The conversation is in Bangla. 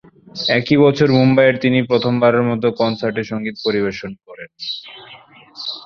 একই বছর মুম্বাইয়ে তিনি প্রথমবারের মত কনসার্টে সঙ্গীত পরিবেশন করেন।